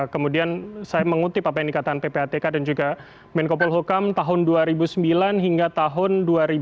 kemudian saya mengutip apa yang dikatakan ppatk dan juga menko polhukam tahun dua ribu sembilan hingga tahun dua ribu dua puluh